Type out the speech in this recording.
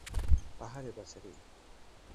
আহারে, বেচারি!